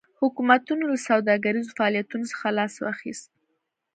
حکومتونو له سوداګریزو فعالیتونو څخه لاس واخیست.